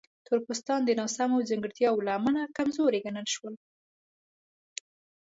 تور پوستان د ناسمو ځانګړتیاوو له امله کمزوري ګڼل شول.